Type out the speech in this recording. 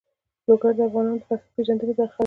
لوگر د افغانانو د فرهنګي پیژندنې برخه ده.